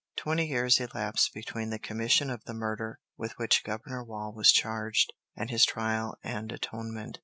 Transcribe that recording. Twenty years elapsed between the commission of the murder with which Governor Wall was charged and his trial and atonement.